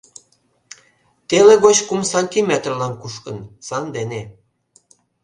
Теле гоч кум сантиметрлан кушкын, сандене.